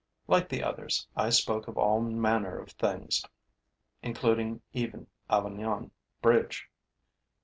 Like the others, I spoke of all manner of things, including even Avignon Bridge.